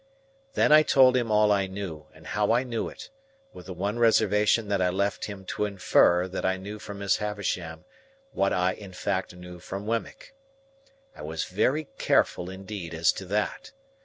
Then I told him all I knew, and how I knew it; with the one reservation that I left him to infer that I knew from Miss Havisham what I in fact knew from Wemmick. I was very careful indeed as to that.